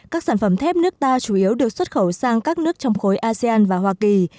các sản phẩm thép nước ta chủ yếu được xuất khẩu sang các nước trong khối asean và hoa kỳ